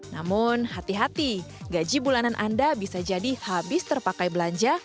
namun hati hati gaji bulanan anda bisa jadi habis terpakai belanja